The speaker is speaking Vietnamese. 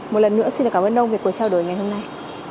một lần nữa xin cảm ơn đồng việc của trao đổi ngày hôm nay